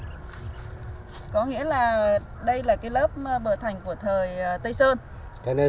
có nghĩa là đây là cái lớp bờ thành của thời tây sơn